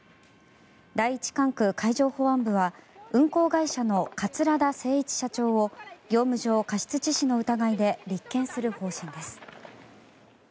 第一管区海上保安本部は運航会社の桂田精一社長を業務上過失致死の疑いで立件する方針です。